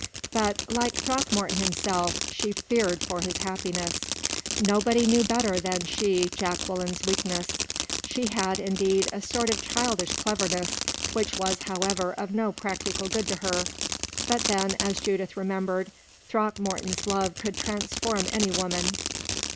But, like Throckmorton himself, she feared for his happiness. Nobody knew better than she Jacqueline's weakness. She had, indeed, a sort of childish cleverness, which was, however, of no practical good to her; but then, as Judith remembered, Throckmorton's love could transform any woman.